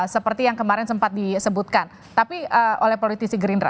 seperti yang kemarin sempat disebutkan tapi oleh politisi gerindra